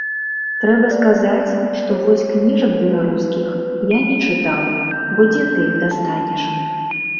Трэба сказаць, што вось кніжак беларускіх я не чытаў, бо дзе ты іх дастанеш?